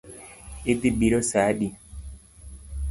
Idhi biro saa adi?